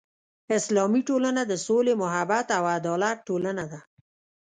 اسلامي ټولنه د سولې، محبت او عدالت ټولنه ده.